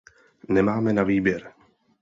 Nemáme na výběr.